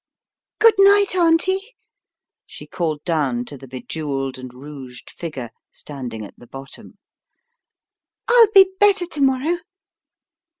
" Good night, Auntie," she called down to the be jewelled and rouged figure standing at the bottom. "I'll be better to morrow."